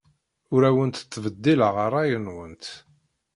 Ur awent-ttbeddileɣ ṛṛay-nwent.